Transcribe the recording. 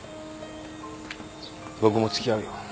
僕も付き合うよ。